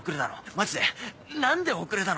マジで何で遅れたの？